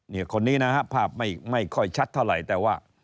คนนี้นะฮะภาพไม่ค่อยชัดเท่าไหร่แต่ว่า